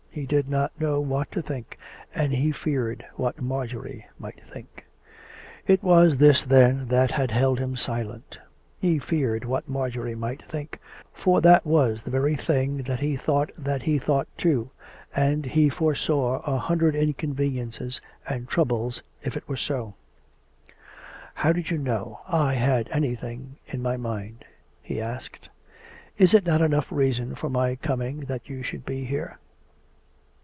He did not know what to think, and he feared what Marjorie might think. It was this, then, that had held him silent. He feared what Marjorie might think, for that was the very thing that he thought that he thought too, and he foresaw a hundred inconveniences and troubles if it were so. COME RACK! COME ROPE! 11 " How did you know I had anything in my mind? " he asked. " Is it not enough reason for my coming that you srhould be here